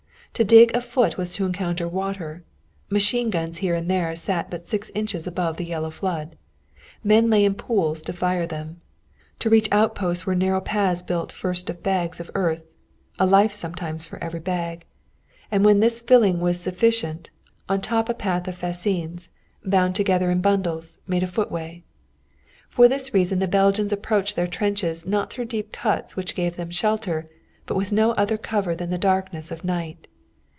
To dig a foot was to encounter water. Machine guns here and there sat but six inches above the yellow flood. Men lay in pools to fire them. To reach outposts were narrow paths built first of bags of earth a life, sometimes for every bag. And, when this filling was sufficient, on top a path of fascines, bound together in bundles, made a footway. For this reason the Belgians approached their trenches not through deep cuts which gave them shelter but with no other cover than the darkness of night.